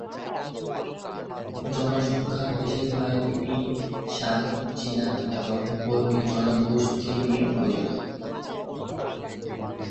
জনসংখ্যা বেশিরভাগই শান, চীনা এবং বর্মী জনগোষ্ঠী নিয়ে গঠিত।